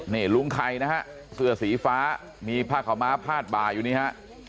นี่ลุงไข่นะฮะเสื้อสีฟ้ามีผ้าขาวม้าพาดบ่าอยู่นี่ฮะ